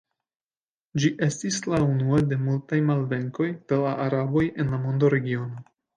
Ĝi estis la unua de multaj malvenkoj de la araboj en la mondoregiono.